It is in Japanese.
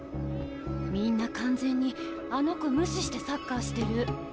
みんな完全にあの子無視してサッカーしてる。